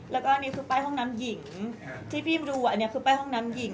แล้วก็อันนี้คือป้ายห้องน้ำหญิงที่พี่ดูอันนี้คือป้ายห้องน้ำหญิง